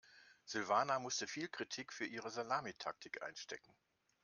Silvana musste viel Kritik für ihre Salamitaktik einstecken.